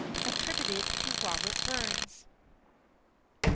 Attributed to ROBERT BURNS.